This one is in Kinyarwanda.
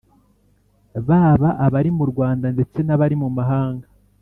baba abari mu rwanda ndetse n’abari muri mu mahanga